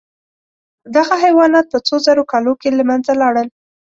دغه حیوانات په څو زرو کالو کې له منځه لاړل.